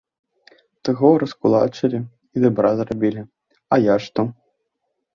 Таго раскулачылі і добра зрабілі, а я што?